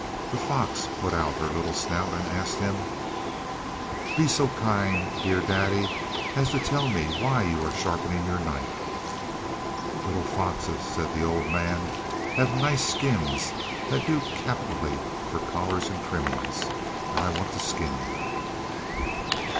The fox put out her little snout, and asked him: "Be so kind, dear daddy, as to tell me why you are sharpening your knife!" "Little foxes," said the old man, "have nice skins that do capitally for collars and trimmings, and I want to skin you!" "Oh!